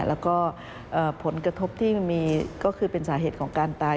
แล้วก็ผลกระทบที่มีก็คือเป็นสาเหตุของการตาย